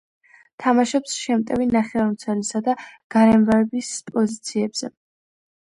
თამაშობს შემტევი ნახევარმცველისა და გარემარბის პოზიციებზე.